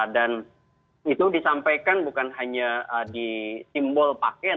dan itu disampaikan bukan hanya di simbol pakaian